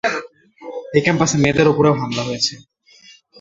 এই ক্যাম্পাসে মেয়েদের ওপরেও হামলা হয়েছে।